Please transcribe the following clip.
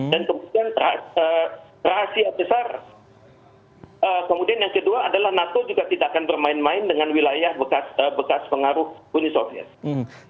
dan kemudian rahasia besar kemudian yang kedua adalah nato juga tidak akan bermain main dengan wilayah bekas pengaruh uni soviet